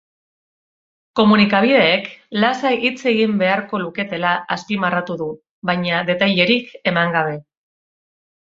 Komunikabideek lasai hitz egin beharko luketela azpimarratu du, baina detailerik eman gabe.